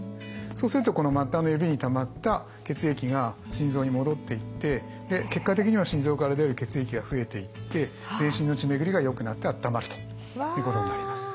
そうするとこの末端の指にたまった血液が心臓に戻っていって結果的には心臓から出る血液が増えていって全身の血巡りがよくなってあったまるということになります。